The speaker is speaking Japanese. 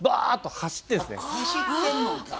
走ってんのんか。